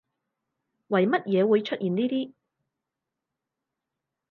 為乜嘢會出現呢啲